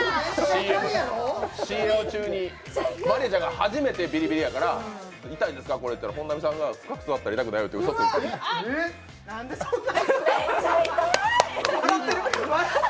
ＣＭ中に真莉愛ちゃんが初めてビリビリやから、痛いんですか、これって言ったら本並さんが深く座ったら痛くないよってなんでそんな笑ってる。